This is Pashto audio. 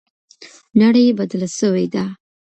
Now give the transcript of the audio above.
نړۍ بدله سوې ده.